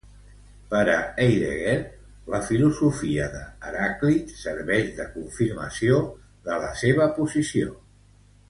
Per a Heidegger, la filosofia d'Heràclit serveix de confirmació de la seva posició.